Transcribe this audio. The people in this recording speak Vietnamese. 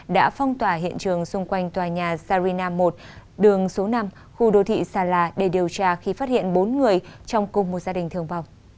đã phong tỏa hiện trường xung quanh tòa nhà sarina một đường số năm khu đô thị sà lạ để điều tra khi phát hiện bốn người trong cùng một gia đình thương vong